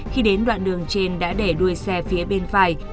khi đến đoạn đường trên đã để đuôi xe phía bên phải